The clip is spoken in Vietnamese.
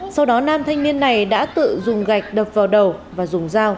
sau đó nam thanh niên này đã tự dùng gạch đập vào đầu và dùng dao